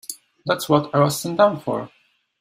That's what I was sent down for.